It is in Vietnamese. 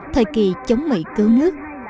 thời kỳ chống mỹ cứu nước